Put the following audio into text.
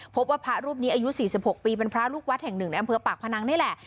พบว่าพระรูปนี้อายุ๔๖ปีเป็นพระลูกวัดแห่งหนึ่งในอำเภอปากพนังนี่แหละ